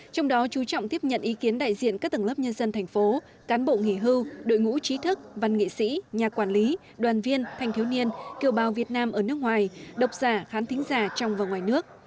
trong đó chú trọng tiếp nhận ý kiến đại diện các tầng lớp nhân dân thành phố cán bộ nghỉ hưu đội ngũ trí thức văn nghệ sĩ nhà quản lý đoàn viên thanh thiếu niên kiều bào việt nam ở nước ngoài độc giả khán thính giả trong và ngoài nước